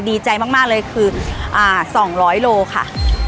ดีใจมากมากเลยคืออ่าสองร้อยโลค่ะ